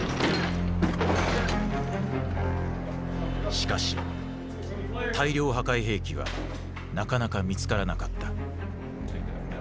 しかし大量破壊兵器はなかなか見つからなかった。